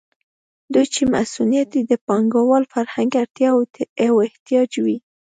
دوی چې مصونیت یې د پانګوال فرهنګ اړتیا او احتیاج وي.